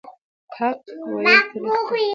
حق ویل تریخ دي.